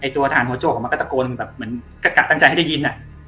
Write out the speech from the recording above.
ทหารโหโจกก็กลับตั้งใจให้ได้ยิน